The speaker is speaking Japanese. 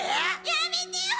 やめてよ！